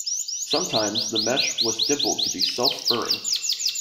Sometimes, the mesh was dimpled to be self-furring.